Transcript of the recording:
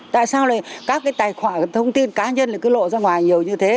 tại sao lại các cái tài khoản thông tin cá nhân cứ lộ ra ngoài nhiều như thế